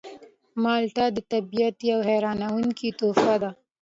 مالټه د طبیعت یوه حیرانوونکې تحفه ده.